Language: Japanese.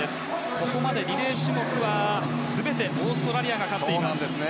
ここまでリレー種目は全てオーストラリアが勝っています。